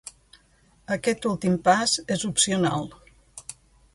Aquest últim pas és opcional